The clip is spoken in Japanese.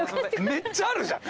めっちゃあるじゃん。